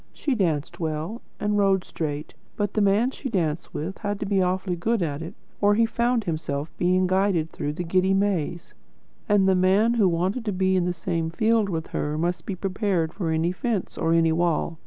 She danced well, and rode straight; but the man she danced with had to be awfully good at it, or he found himself being guided through the giddy maze; and the man who wanted to be in the same field with her, must be prepared for any fence or any wall.